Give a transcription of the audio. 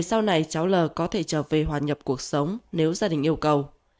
sau này cháu l có thể trở về hòa nhập cuộc sống nếu gia đình yêu cầu